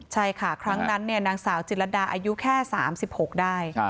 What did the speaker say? ใช่ค่ะครั้งนั้นนางสาวจิตรดาอายุแค่๓๖ได้